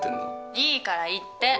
いいから言って！